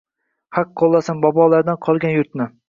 Haq qoʻllasin, bobolardan qolgan yurtni